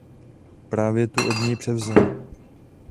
Právě tu od něj převzal.